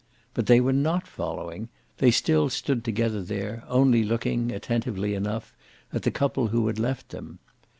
But they were not following; they still stood together there, only looking, attentively enough, at the couple who had left them.